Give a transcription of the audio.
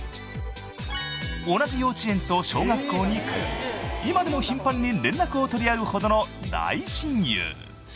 ［同じ幼稚園と小学校に通い今でも頻繁に連絡を取り合うほどの大親友］